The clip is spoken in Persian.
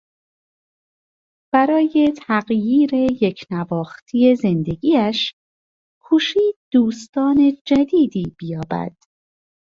برای تغییر یکنواختی زندگیاش کوشید دوستان جدیدی بیابد.